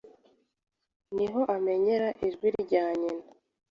Niho amenyera ijwi rya nyina